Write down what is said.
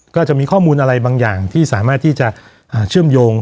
ก็จะมีข้อมูลอะไรบางอย่างที่สามารถที่จะเชื่อมโยง